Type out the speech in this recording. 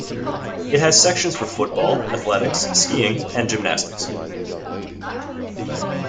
It has sections for football, athletics, skiing and gymnastics.